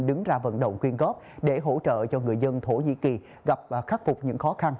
đứng ra vận động quyên góp để hỗ trợ cho người dân thổ nhĩ kỳ gặp khắc phục những khó khăn